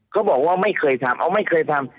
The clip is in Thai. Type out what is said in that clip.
เขาบอกว่าไม่เคยทำเอาไม่เคยทำ